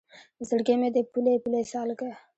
زړګی مې دی پولۍ پولۍ سالکه